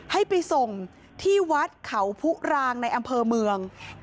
ให้ไปส่งที่วัดเขาผู้รางในอำเภอเมือง